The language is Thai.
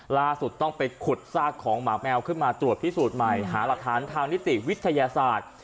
ล่าสุดต้องไปขุดซากของหมาแมวขึ้นมาตรวจพิสูจน์ใหม่หาหลักฐานทางนิติวิทยาศาสตร์